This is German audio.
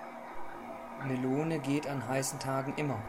Melone geht an heißen Tagen immer.